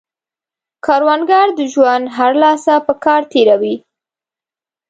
کروندګر د ژوند هره لحظه په کار تېروي